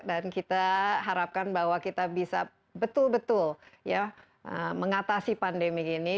dan kita harapkan bahwa kita bisa betul betul mengatasi pandemi ini